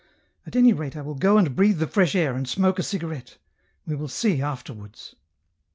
"At any rate I will go and breathe the fresh air, and smoke a cigarette ; we will see afterwards."